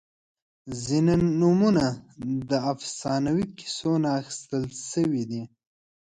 • ځینې نومونه د افسانوي کیسو نه اخیستل شوي دي.